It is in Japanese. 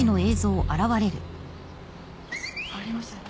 ありましたよね。